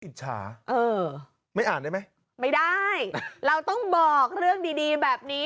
อิจฉาเออไม่อ่านได้ไหมไม่ได้เราต้องบอกเรื่องดีดีแบบนี้